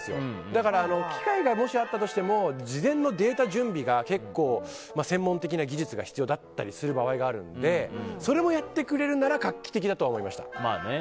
だから機械がもしあったとしても事前のデータ準備が結構、専門的な技術が必要だったりする場合があるのでそれもやってくれるなら画期的だと思いました。